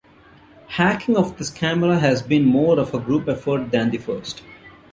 Hacking of this camera has been more of a group effort than the first.